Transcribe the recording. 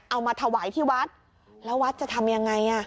เอามาถวายที่วัดแล้ววัดจะทำยังไง